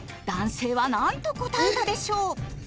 男性は何と答えたでしょう？